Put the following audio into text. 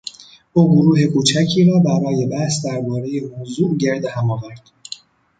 او گروه کوچکی را برای بحث دربارهی موضوع گرد هم آورد.